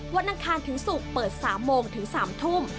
อังคารถึงศุกร์เปิด๓โมงถึง๓ทุ่ม